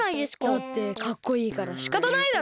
だってかっこいいからしかたないだろ。